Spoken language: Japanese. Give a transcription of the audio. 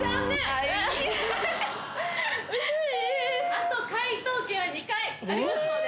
あと解答権は２回ありますので